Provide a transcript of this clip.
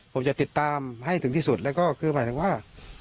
ผมจะติดตามให้ถึงที่สุดแล้วก็คือหมายถึงว่า